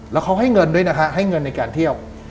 แล้วเขาให้เงินด้วยนะฮะให้เงินในการเที่ยว